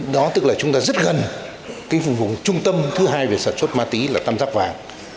đó tức là chúng ta rất gần cái vùng vùng trung tâm thứ hai về sản xuất ma túy là tam giác vàng